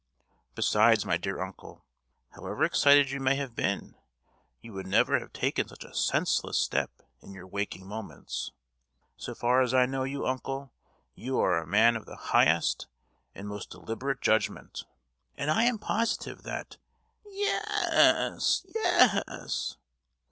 "Besides, my dear uncle, however excited you may have been, you would never have taken such a senseless step in your waking moments. So far as I know you, uncle, you are a man of the highest and most deliberate judgment, and I am positive that——" "Ye—yes, ye—yes."